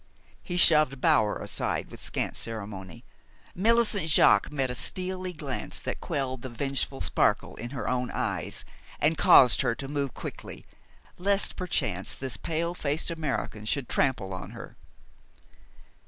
He shoved Bower aside with scant ceremony. Millicent Jaques met a steely glance that quelled the vengeful sparkle in her own eyes, and caused her to move quickly, lest, perchance, this pale faced American should trample on her.